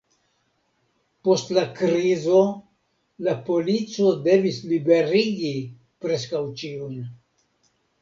Post la krizo, la polico devis liberigi preskaŭ ĉiujn.